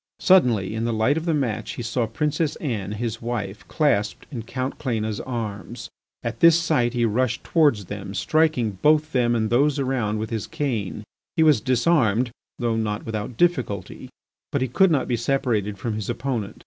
Suddenly, in the light of the match, he saw Princess Anne, his wife, clasped in Count Cléna's arms. At this sight he rushed towards them, striking both them and those around with his cane. He was disarmed, though not without difficulty, but he could not be separated from his opponent.